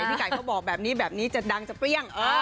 พี่ไก่เขาบอกแบบนี้แบบนี้จะดังจะเปรี้ยง